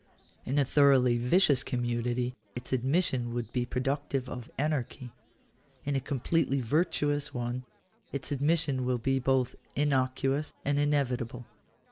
In a thoroughly vicious community its ad ' mission would be productive of anarchy. In a completely virtuous one its admission will be both innocuous and in evitable.